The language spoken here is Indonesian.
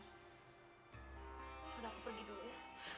sudah aku pergi dulu